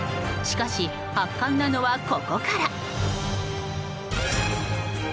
しかし、圧巻なのはここから。